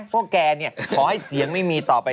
พวกแกขอให้เสียงไม่มีต่อไป